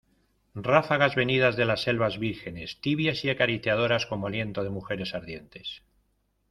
ráfagas venidas de las selvas vírgenes, tibias y acariciadoras como aliento de mujeres ardientes